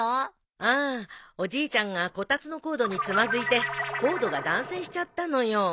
あおじいちゃんがこたつのコードにつまずいてコードが断線しちゃったのよ。